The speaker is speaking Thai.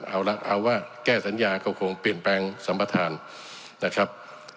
เอาละเอาว่าแก้สัญญาก็คงเปลี่ยนแปลงสัมประธานนะครับ